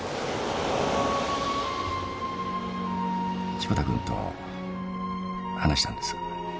志子田君と話したんです。